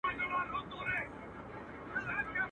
وروڼه له وروڼو څخه بیریږي.